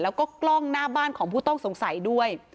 แล้วก็กล้องหน้าบ้านของผู้ต้องสงสัยด้วย